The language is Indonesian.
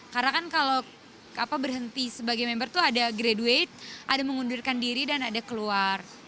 karena kan kalau berhenti sebagai member itu ada graduate ada mengundurkan diri dan ada keluar